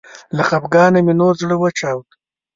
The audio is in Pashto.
له خفګانه مې نور زړه وچاوده